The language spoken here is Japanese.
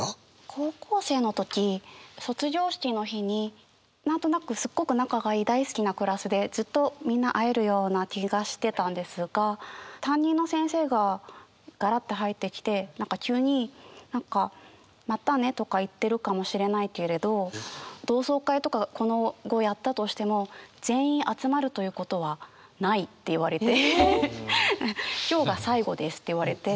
高校生の時卒業式の日に何となくすっごく仲がいい大好きなクラスでずっとみんな会えるような気がしてたんですが担任の先生がガラって入ってきて何か急に何か「またねとか言ってるかもしれないけれど同窓会とか今後やったとしても全員集まるということはない」って言われて「今日が最後です」って言われて。